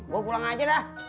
gua pulang aja dah